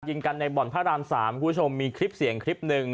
ยิงกันในบ่อนพระราม๓คุณผู้ชมมีคลิปเสียงคลิปหนึ่ง